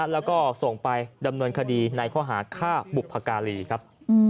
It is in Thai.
แล้วก็ส่งไปดำเนินคดีในข้อหาฆ่าบุพการีครับ